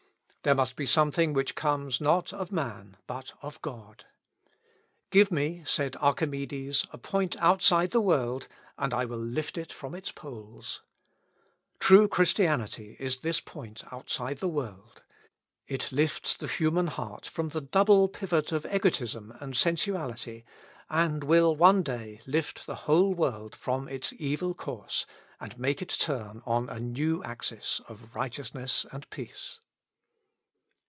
There must be something which comes not of man, but of God. "Give me," said Archimedes, "a point outside the world, and I will lift it from its poles." True Christianity is this point outside the world. It lifts the human heart from the double pivot of egotism and sensuality, and will one day lift the whole world from its evil course, and make it turn on a new axis of righteousness and peace.